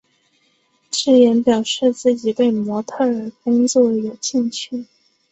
芝妍表示自己对模特儿工作有兴趣。